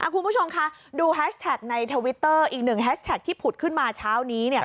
คุณผู้ชมคะดูแฮชแท็กในทวิตเตอร์อีกหนึ่งแฮชแท็กที่ผุดขึ้นมาเช้านี้